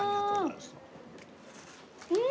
うん！